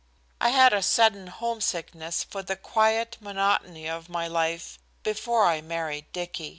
I had a sudden homesickness for the quiet monotony of my life before I married Dicky.